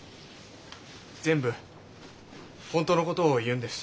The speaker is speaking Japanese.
全部本当のことを言うんです。